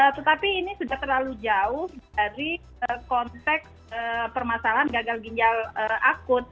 tetapi ini sudah terlalu jauh dari konteks permasalahan gagal ginjal akut